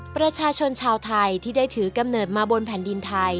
ประชาชนชาวไทยที่ได้ถือกำเนิดมาบนแผ่นดินไทย